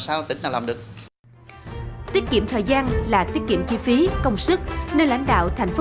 sau tỉnh nào làm được tiết kiệm thời gian là tiết kiệm chi phí công sức nơi lãnh đạo thành phố